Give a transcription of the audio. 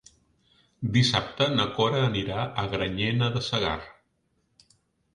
Dissabte na Cora anirà a Granyena de Segarra.